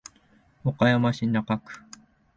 岡山市中区